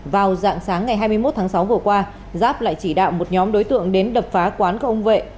vào dạng sáng ngày hai mươi một tháng sáu vừa qua giáp lại chỉ đạo một nhóm đối tượng đến đập phá quán của ông vệ